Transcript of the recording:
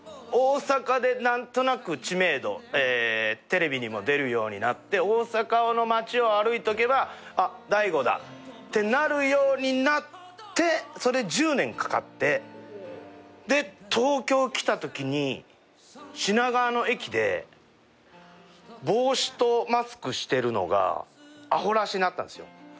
大阪で何となく知名度テレビにも出るようになって大阪の街を歩いとけば「あっ大悟だ」ってなるようになってそれ１０年かかってで東京来たときに品川の駅で帽子とマスクしてるのがアホらしなったんですよ。